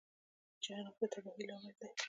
جنګ د تباهۍ لامل دی